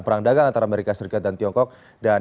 memang ada beberapa hal